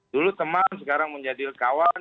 dulu teman sekarang menjadi kawan